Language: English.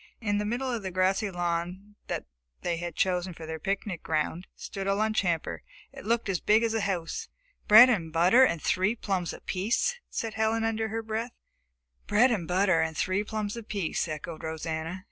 In the middle of the grassy lawn that they had chosen for their picnic ground stood the lunch hamper. It looked as big as a house! "Bread and butter and three plums apiece," said Helen under her breath. "Bread and butter and three plums apiece," echoed Rosanna.